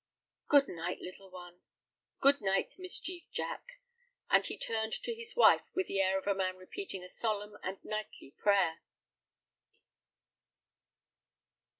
"Good night, little one. Good night, Mischief Jack," and he turned to his wife with the air of a man repeating a solemn and nightly prayer.